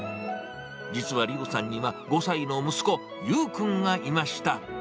実は亮さんには、５歳の息子、悠くんがいました。